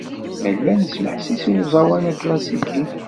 Nella nesmeḥsis i uẓawan aklasiki.